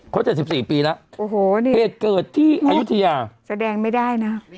เขาเจ็ดสิบสี่ปีแล้วโอ้โหนี่เกิดที่อายุทียาแสดงไม่ได้นะ